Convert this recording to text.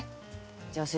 じゃあ先生